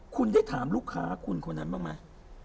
คุณได้ถามลูกค้าคุณคนนั้นบ้างไหม